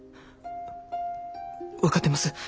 分かってます。